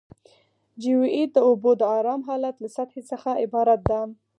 جیوئید د اوبو د ارام حالت له سطحې څخه عبارت ده